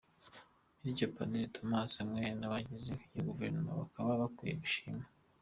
Bityo, Padiri Thomas hamwe n’abagize iyo Guverinoma bakaba bakwiye gushimwa!